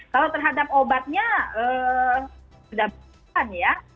kalau terhadap obatnya sudah berjalan ya